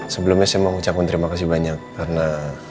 sebelumnya saya mau ucapkan terima kasih banyak karena